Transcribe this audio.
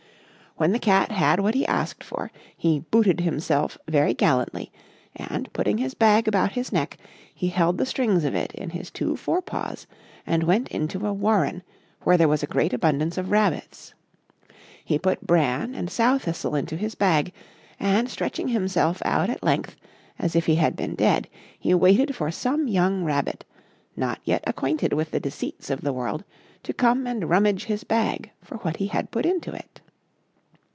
When the Cat had what he asked for, he booted himself very gallantly; and putting his bag about his neck, he held the strings of it in his two fore paws, and went into a warren where was great abundance of rabbits. He put bran and sow thistle into his bag, and stretching himself out at length, as if he had been dead, he waited for some young rabbit, not yet acquainted with the deceits of the world, to come and rummage his bag for what he had put into it.